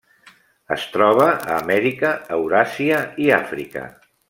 Es troba a Amèrica, Euràsia i Àfrica.